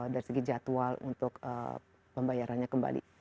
dari segi jadwal untuk pembayarannya kembali